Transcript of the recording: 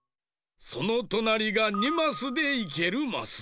そのとなりが２マスでいけるマス。